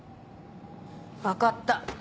分かった。